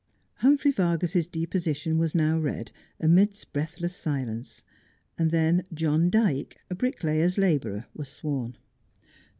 Humphrey Vargas's deposition was now read, amidst breath less silence, and then John Dyke, a bricklayer's labourer, was sworn.